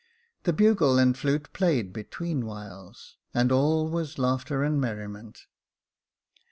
The bugle and flute played between whiles, and all was laughter and merriment.